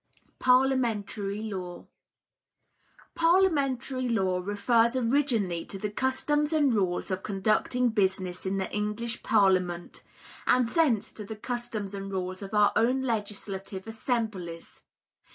Parliamentary Law. Parliamentary Law refers originally to the customs and rules of conducting business in the English Parliament; and thence to the customs and rules of our own legislative assemblies.